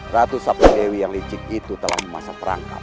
ratu sapu dewi yang licik itu telah memasang perangkap